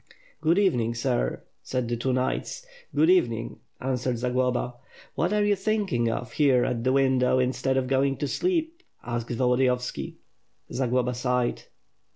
"Good evening, sir,'' said the two knights. "Good evening,'' answered Zagloba. "What are you thinking of here at the window, instead of going to sleep?" asked Volodiyovski. Zagloba sighed.